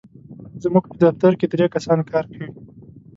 زموږ په دفتر کې درې کسان کار کوي.